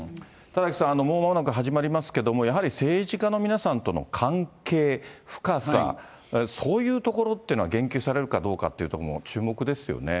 田崎さん、もうまもなく始まりますが、やはり政治家の皆さんとの関係、深さ、そういうところっていうのは、言及されるかどうかっていうのは、注目ですよね。